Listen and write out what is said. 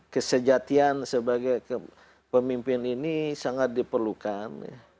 kesejatian sebagai pemimpin ini sangat diperlukan